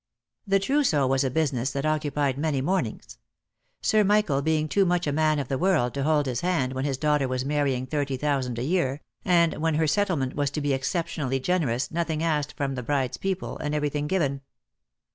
The trousseau was a business that occupied many mornings. Sir Michael being too much a man of the world to hold his hand when his daughter was marrying thirty thousand a year, and when her settlement was to be exceptionally generous, nothing asked from the bride's people, and every thing given.